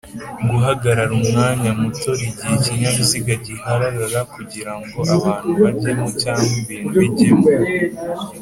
Guhagarara umwanya mutoIgihe ikinyabiziga giharara kugira ngo abantu bajyemo cg ibintu bijyemo